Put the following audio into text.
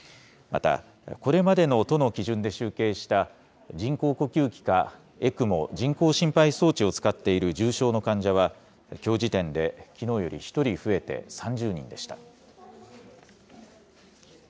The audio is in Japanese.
また、これまでの都の基準で集計した、人工呼吸器かＥＣＭＯ・人工心肺装置を使っている重症の患者は、きょう時点で、きのうより１人増えて３０人でした。